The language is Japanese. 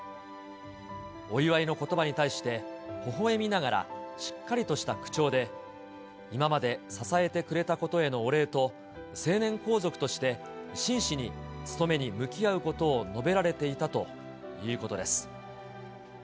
お祝いのことばにたいして、微笑みながらしっかりとした口調で、今まで支えてくれたことへのお礼と、成年皇族として真摯に務めに向き合うことを述べられていたということです。